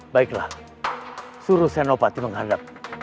baiklah suruh senopati menghadap